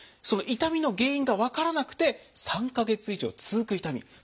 その痛みの原因が分からなくて３か月以上続く痛み。